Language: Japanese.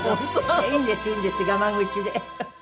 いやいいんですいいんです「がま口」で。